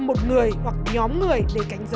một người hoặc nhóm người để cánh giới